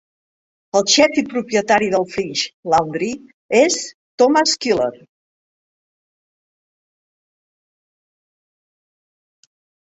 El xef i propietari del French Laundry és Thomas Keller.